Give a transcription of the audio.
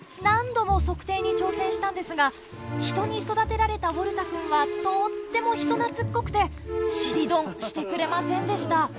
何度も測定に挑戦したんですが人に育てられたウォルタくんはとっても人懐っこくて尻ドンしてくれませんでした。